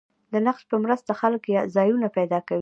د نقشې په مرسته خلک ځایونه پیدا کوي.